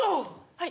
はい。